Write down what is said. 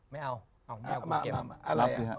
ไม่เอาไม่เอาคุณเกลียว